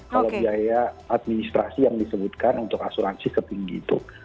kalau biaya administrasi yang disebutkan untuk asuransi setinggi itu